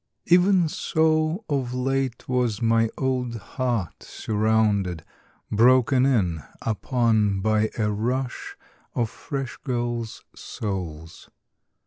Even so of late was my old heart surrounded, broken in upon by a rush of fresh girls' souls